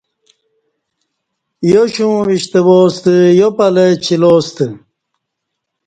یاشوں وِشتہ واستہ یاپلہ چِلاستہ